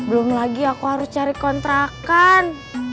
belum lagi aku harus cari kontrakan